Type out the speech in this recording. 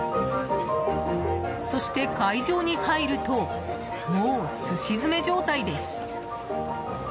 そして、会場に入るともうすし詰め状態です。